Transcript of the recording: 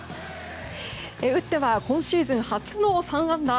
打っては今シーズン初の３安打。